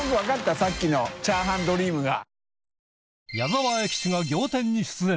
茲辰さっきのチャーハンドリームが。